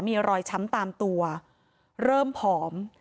มีรอยช้ำตามตัวเริ่มผอม